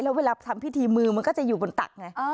แล้วเวลาทำพิธีมือมันก็จะอยู่บนตักไง